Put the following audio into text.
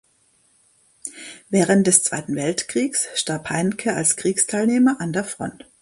Während des Zweiten Weltkrieges starb Heinke als Kriegsteilnehmer an der Front.